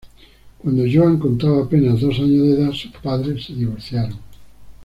Cuando Joan contaba apenas dos años de edad, sus padres se divorciaron.